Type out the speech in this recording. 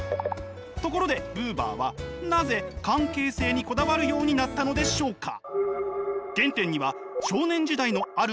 ところでブーバーはなぜ関係性にこだわるようになったのでしょうか？